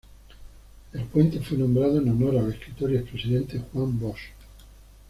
El puente fue nombrado en honor al escritor y expresidente Juan Bosch.